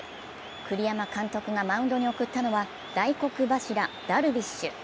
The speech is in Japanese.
栗山監督がマウンドに送ったのは大黒柱・ダルビッシュ。